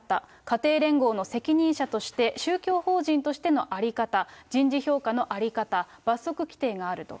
家庭連合の責任者として、宗教法人としての在り方、人事評価の在り方、罰則規定があると。